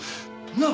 なあ？